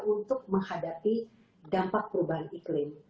untuk menghadapi dampak perubahan iklim